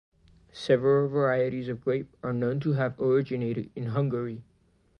Several varieties of grape are known to have originated in Hungary.